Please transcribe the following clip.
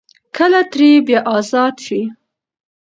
کله ترې بيا ازاد شي ـ